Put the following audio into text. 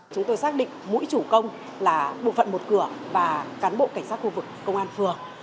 chúng tôi xác định mũi chủ công là bộ phận một cửa và cán bộ cảnh sát khu vực công an phường